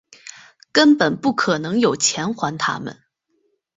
根本不可能有钱还他们